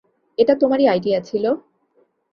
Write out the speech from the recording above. এটা তোমারই আইডিয়া ছিল?